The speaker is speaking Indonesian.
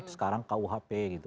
sekarang kuhp gitu